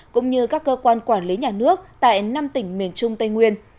cũng như các cơ quan quản lý nhà nước tại năm tỉnh miền trung tây nguyên